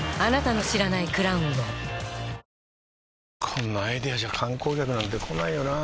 こんなアイデアじゃ観光客なんて来ないよなあ